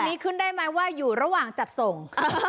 อันนี้ขึ้นได้ไหมว่าอยู่ระหว่างจัดส่ง